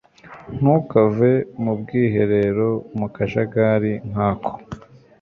Ntukave mu bwiherero mu kajagari nkako.